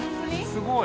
すごい。